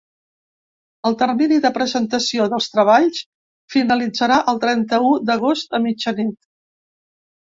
El termini de presentació dels treballs finalitzarà el trenta-u d’agost a mitjanit.